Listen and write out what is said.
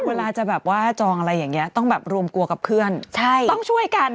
เวลาจะแบบว่าจองอะไรอย่างนี้ต้องแบบรวมกลัวกับเพื่อนต้องช่วยกัน